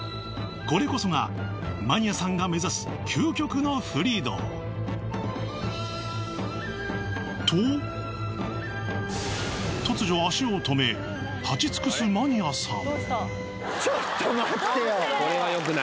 これこそがマニアさんが目指す究極のふり道と突如足を止め立ち尽くすマニアさん